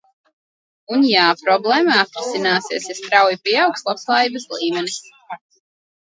Un, jā, problēma atrisināsies, ja strauji pieaugs labklājības līmenis.